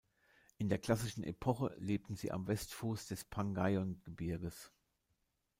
In der klassischen Epoche lebten sie am Westfuß des Pangaion-Gebirges.